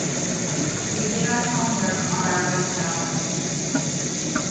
We did our homework on our lunch hour.